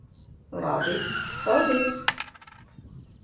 Labi. Paldies.